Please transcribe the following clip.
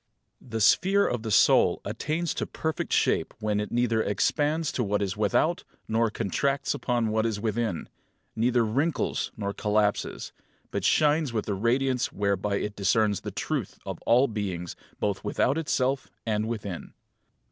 12. The sphere of the soul attains to perfect shape when it neither expands to what is without, nor contracts upon what is within; neither wrinkles nor collapses, but shines with a radiance whereby it discerns the truth of all things, both without itself and within.